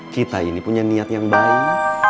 kita ini punya niat yang baik